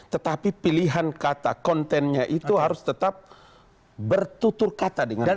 tetapi pilihan kata kontennya itu harus tetap bertutur kata dengan